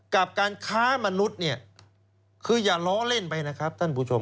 กับการค้ามนุษย์เนี่ยคืออย่าล้อเล่นไปนะครับท่านผู้ชม